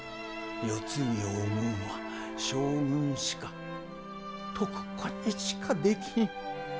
世継ぎを生むんは将軍しか徳子にしかできひん。